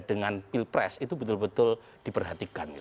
dengan pilpres itu betul betul diperhatikan